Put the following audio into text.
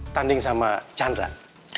tanding sama chandlan